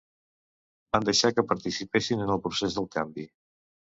Van deixar que participessin en el procés del canvi.